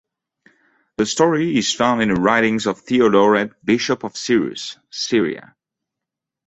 The story is found in the writings of Theodoret, Bishop of Cyrrhus, Syria.